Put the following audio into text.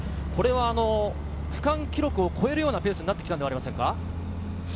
これは区間記録を超えるようなペースになってきたんではありませんか？